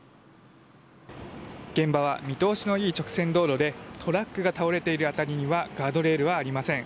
現場は見通しのいい直線道路でトラックが倒れている辺りにはガードレールはありません。